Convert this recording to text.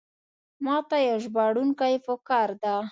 ماته یو ژباړونکی پکار ده.